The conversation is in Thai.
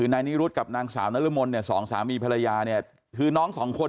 ไล้รูดกับนางเสาร์นะฤมมลเนี่ยสองสามีภรรยาเนี่ยน้อง๒คน